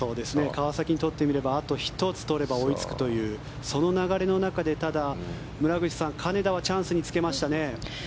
川崎にとってみればあと１つ取れば追いつくというその流れの中でただ、村口さん金田はチャンスにつけましたね。